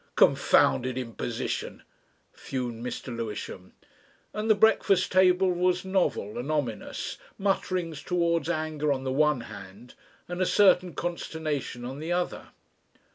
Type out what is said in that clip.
"Confounded imposition!" fumed Mr. Lewisham, and the breakfast table was novel and ominous, mutterings towards anger on the one hand and a certain consternation on the other.